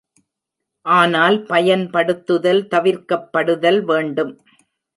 ஆனால், பயன்படுத்துதல் தவிர்க்கப்படுதல் வேண்டும்.